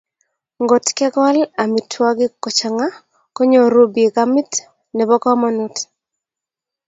Ngotkekol amitwogik kochanga konyoru bik amit nebo komonut